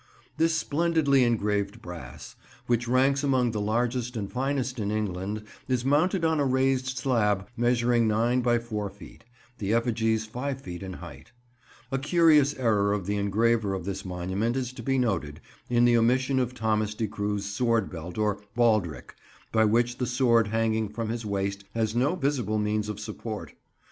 [Picture: "Beggarly Broom"] This splendidly engraved brass, which ranks among the largest and finest in England, is mounted on a raised slab measuring nine by four feet; the effigies five feet in height. A curious error of the engraver of this monument is to be noted, in the omission of Thomas de Cruwe's sword belt or baldrick, by which the sword hanging from his waist has no visible means of support.